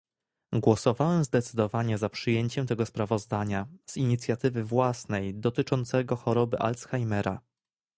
Głosowałem zdecydowanie za przyjęciem tego sprawozdania z inicjatywy własnej dotyczącego choroby Alzheimera